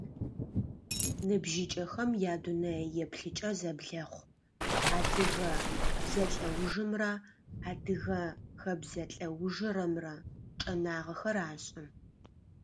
Ныбжьыкӏэхэм ядунэееплъыкӏэ зэблэхъу, адыгэ бзэлӏэужымрэ адыгэ хэбзэ лӏэужырэмрэ чӏэнагъэхэр ашӏы.